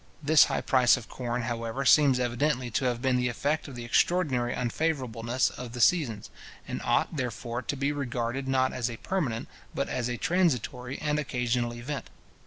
This high price of corn, however, seems evidently to have been the effect of the extraordinary unfavourableness of the seasons, and ought, therefore, to be regarded, not as a permanent, but as a transitory and occasional event.